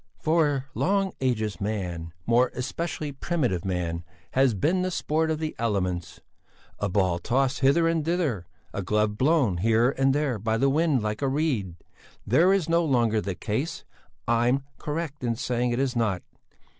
"For long ages man, more especially primitive man, has been the sport of the elements; a ball tossed hither and thither, a glove blown here and there by the wind like a reed. This is no longer the case. I'm correct in saying it is not.